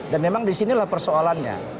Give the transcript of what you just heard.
dan memang disinilah persoalannya